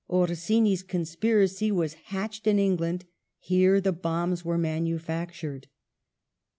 Oi sini's conspiracy was hatched in England ; here the bombs were manufactured.